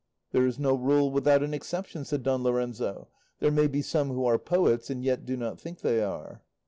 "There is no rule without an exception," said Don Lorenzo; "there may be some who are poets and yet do not think they are."